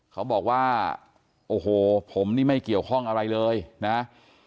เขาบอกว่าโอ้โหผมนี่ไม่เกี่ยวข้องอะไรเลยนะ